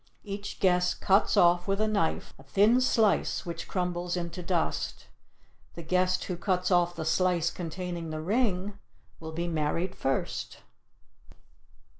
Each guest cuts off with a knife a thin slice which crumbles into dust. The guest who cuts off the slice containing the ring will be married first.